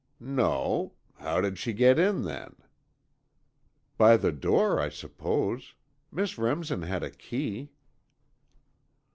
"No. How did she get in, then?" "By the door, I suppose. Miss Remsen had a key."